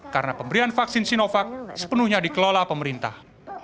karena pemberian vaksin sinovac sepenuhnya dikelola pemerintah